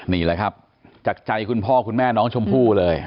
นี่แหละครับจากใจคุณพ่อคุณแม่น้องชมพู่เลย